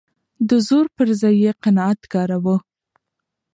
د زور پر ځای يې قناعت کاراوه.